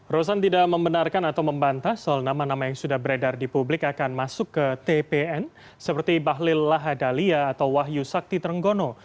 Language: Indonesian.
rosan tidak membenarkan atau membantah soal nama nama yang sudah beredar di publik akan masuk ke tpn seperti bahlil lahadalia atau wahyu sakti trenggono